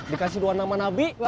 dikasih dua nama nabi